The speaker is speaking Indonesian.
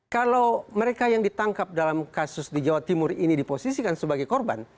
kalau mereka yang ditangkap dalam kasus di jawa timur ini diposisikan sebagai korban